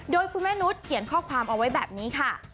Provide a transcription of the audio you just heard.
โดยคุณแม่นุษย์เขียนข้อความเอาไว้แบบนี้ค่ะ